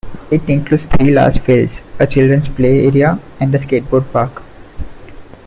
It includes three large fields, a children's play area and a skateboard park.